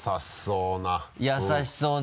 優しそうな。